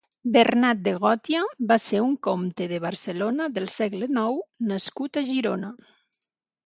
Bernat de Gòtia va ser un comte de Barcelona del segle nou nascut a Girona.